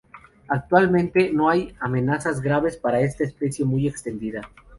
Actualmente, no hay amenazas graves para esta especie, muy extendida.